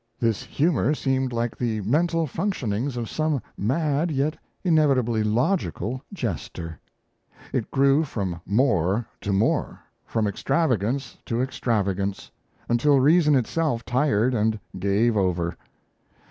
This humour seemed like the mental functionings of some mad, yet inevitably logical jester; it grew from more to more, from extravagance to extravagance, until reason itself tired and gave over.